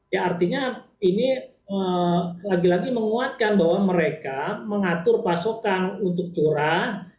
ya artinya ini lagi lagi menguatkan bahwa mereka mengatur pasokan untuk curah